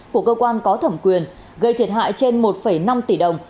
của cơ quan có thẩm quyền gây thiệt hại trên một năm tỷ đồng